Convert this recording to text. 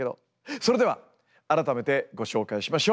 それでは改めてご紹介しましょう。